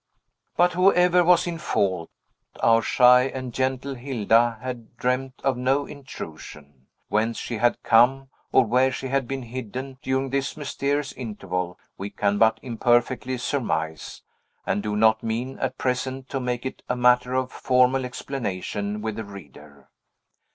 But, whoever was in fault, our shy and gentle Hilda had dreamed of no intrusion. Whence she had come, or where she had been hidden, during this mysterious interval, we can but imperfectly surmise, and do not mean, at present, to make it a matter of formal explanation with the reader.